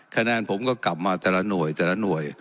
คะแนนผมก็กลับมาแต่ละหน่วยแต่ละหน่วย